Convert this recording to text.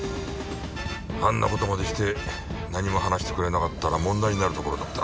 あんな事までして何も話してくれなかったら問題になるところだった。